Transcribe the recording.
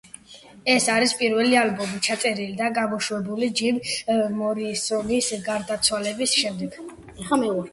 ეს არის პირველი ალბომი, ჩაწერილი და გამოშვებული ჯიმ მორისონის გარდაცვალების შემდეგ.